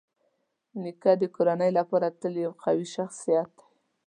نیکه د کورنۍ لپاره تل یو قوي شخصيت دی.